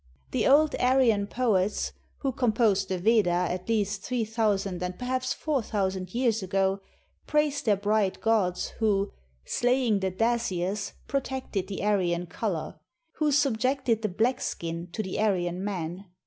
The old Arj'an poets, who composed the Veda at least three thousand and perhaps fom thousand years ago, praised their bright gods, who, ■■sla} ing the Das} us. protected the Ar\ an color"; who '"subjected the black skin to the Ar} an man."